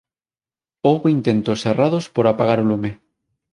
Houbo intentos errados por apagar o lume.